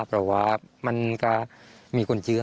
ไม่ว้าว่ามันก็มีคนเชื้อ